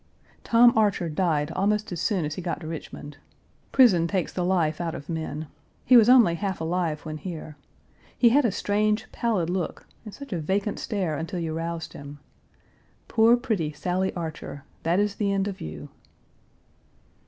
Tom Archer died almost as soon as he got to Richmond. Prison takes the life out of men. He was only half alive when here. He had a strange, pallid look and such a vacant stare until you roused him. Poor pretty Sally Archer: that is the end of you.